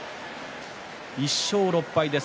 １勝６敗です。